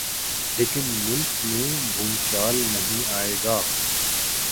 لیکن ملک میں بھونچال نہیں آئے گا۔